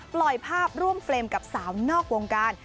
ปล่อยภาพร่วมเฟรมกับสาวนอกวงการ